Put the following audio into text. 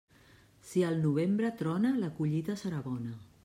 Si el novembre trona, la collita serà bona.